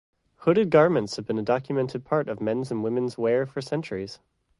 Hooded garments have been a documented part of men's and women's wear for centuries.